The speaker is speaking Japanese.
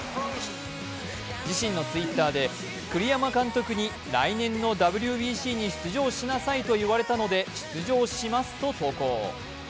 自身のＴｗｉｔｔｅｒで、栗山監督に来年のＷＢＣに出場しなさいと言われたので出場しますと投稿。